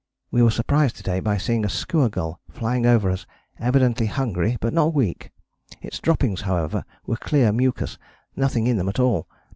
We were surprised to day by seeing a Skua gull flying over us evidently hungry but not weak. Its droppings, however, were clear mucus, nothing in them at all.